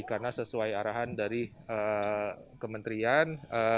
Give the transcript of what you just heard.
karena sesuai arahan dari kementerian